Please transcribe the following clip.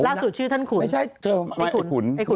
ล่าสุดชื่อท่านขุนไอ้ขุน